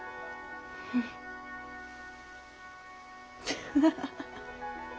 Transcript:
フハハハハ。